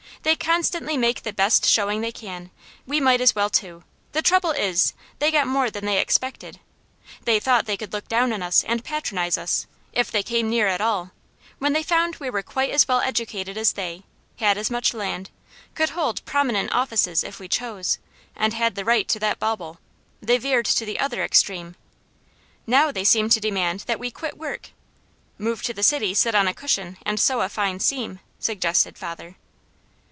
"They constantly make the best showing they can, we might as well, too. The trouble is they got more than they expected. They thought they could look down on us, and patronize us, if they came near at all; when they found we were quite as well educated as they, had as much land, could hold prominent offices if we chose, and had the right to that bauble, they veered to the other extreme. Now they seem to demand that we quit work " "Move to the city, 'sit on a cushion and sew a fine seam,'" suggested father.